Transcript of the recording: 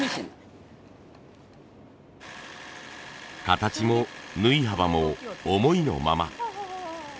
形も縫い幅も思いのまま。